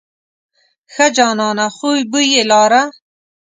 ښه جانانه خوی بوی یې لاره.